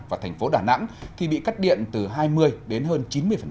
và thành phố đà nẵng thì bị cắt điện từ hai mươi đến hơn chín mươi